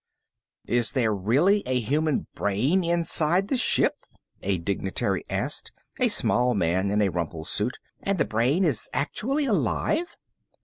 "Is there really a human brain inside the ship?" a dignitary asked, a small man in a rumpled suit. "And the brain is actually alive?"